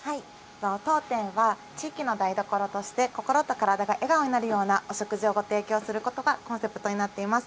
当店は地域の台所として心と体が笑顔になれるような食事を提供することがテーマになっています。